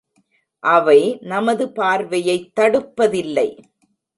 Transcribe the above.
அவை நமது பார்வையைத் தடுப்பதில்லை.